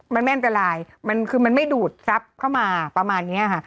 มันไม่อันตรายมันคือมันไม่ดูดทรัพย์เข้ามาประมาณนี้ค่ะ